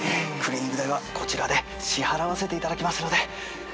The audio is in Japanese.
クリーニング代はこちらで支払わせていただきますので。